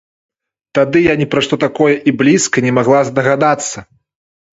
Тады я ні пра што такое і блізка не магла здагадацца.